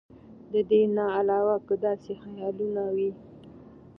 د دې نه علاوه کۀ داسې خيالونه وي